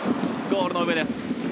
ゴールの上です。